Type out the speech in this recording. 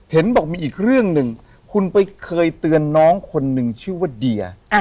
เห็นบอกมีอีกเรื่องหนึ่งคุณไปเคยเตือนน้องคนหนึ่งชื่อว่าเดีย